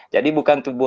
jadi bukan tubuh